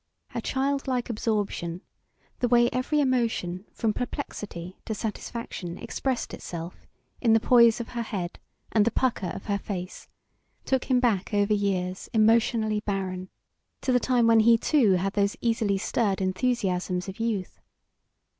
Her child like absorption, the way every emotion from perplexity to satisfaction expressed itself in the poise of her head and the pucker of her face, took him back over years emotionally barren to the time when he too had those easily stirred enthusiasms of youth.